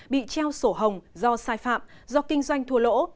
bị treo sổ hồng do sai phạm do kinh doanh thua lỗ